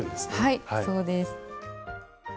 はいそうです。